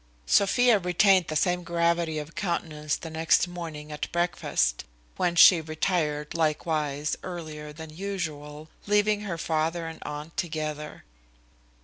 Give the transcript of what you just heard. Sophia retained the same gravity of countenance the next morning at breakfast; whence she retired likewise earlier than usual, leaving her father and aunt together.